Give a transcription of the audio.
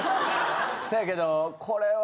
せやけどこれは。